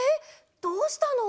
どうしたの？